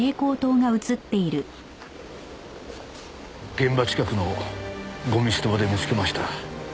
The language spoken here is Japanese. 現場近くのゴミ捨て場で見つけました。